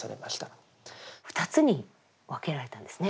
２つに分けられたんですね。